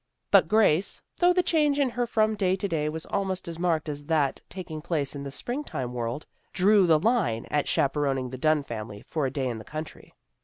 But Grace, though the change in her from day to day was almost as marked as that taking place in the springtime world, drew the line at chaperoning the Dunn family for a day in the country.